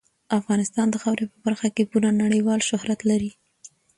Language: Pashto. افغانستان د خاورې په برخه کې پوره نړیوال شهرت لري.